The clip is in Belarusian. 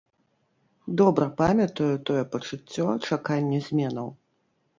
Добра памятаю тое пачуццё чакання зменаў.